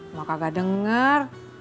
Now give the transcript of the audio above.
mau kagak denger